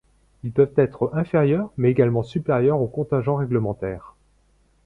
Ils peuvent être inférieurs mais également supérieurs au contingent règlementaire.